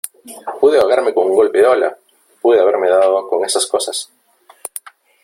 ¡ pude ahogarme con un golpe de ola , pude haberme dado con esas cosas !